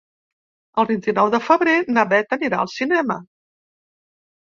El vint-i-nou de febrer na Beth anirà al cinema.